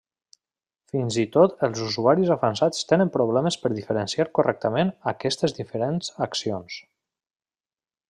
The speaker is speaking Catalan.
Fins i tot els usuaris avançats tenen problemes per diferenciar correctament aquestes diferents accions.